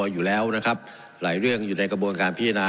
ผมจะขออนุญาตให้ท่านอาจารย์วิทยุซึ่งรู้เรื่องกฎหมายดีเป็นผู้ชี้แจงนะครับ